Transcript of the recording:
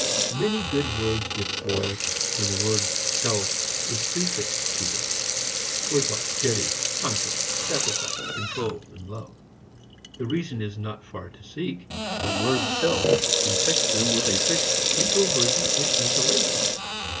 Many good words get spoiled when the word self is prefixed to them: Words like pity, confidence, sacrifice, control, love. The reason is not far to seek. The word self infects them with a fixed introversion and isolation.